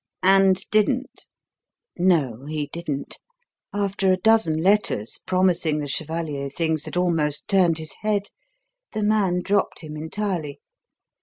"And didn't?" "No, he didn't. After a dozen letters promising the chevalier things that almost turned his head, the man dropped him entirely.